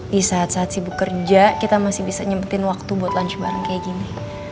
di saat saat sibuk kerja kita masih bisa nyempetin waktu buat lunch bareng kayak gini